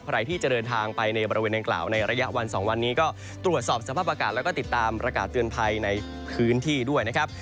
ใครที่จะเดินทางไปในบริเวณดังกล่าวในระยะวัน๒วันนี้ก็ตรวจสอบสภาพอากาศแล้วก็ติดตามประกาศเตือนภัยในพื้นที่ด้วยนะครับ